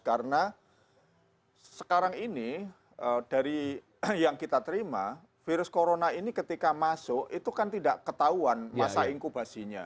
karena sekarang ini dari yang kita terima virus corona ini ketika masuk itu kan tidak ketahuan masa inkubasinya